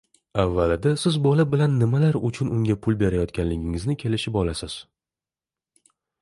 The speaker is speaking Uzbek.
Avvalida siz bola bilan nimalar uchun unga pul berayotganligingizni kelishib olasiz